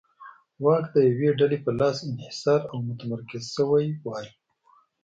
واک د یوې ډلې په لاس انحصار او متمرکز شوی وای.